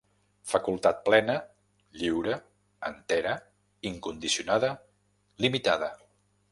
Facultat plena, lliure, entera, incondicionada, limitada.